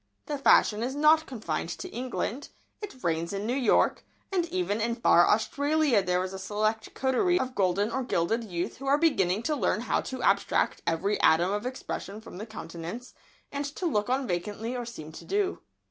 The fashion is not confined to England. It reigns in New York, and even in far Australia there is a select coterie of golden or gilded youth who are beginning to learn how to abstract every atom of expression from the countenance, and to look on vacantly or seem to do so.